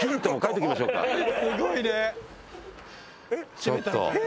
ちょっと！